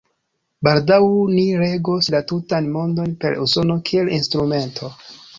Baldaŭ ni regos la tutan Mondon per Usono kiel instrumento.